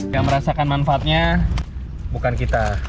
yang merasakan manfaatnya bukan kita